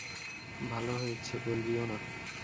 ভালো হয়েছে, বলবিও না।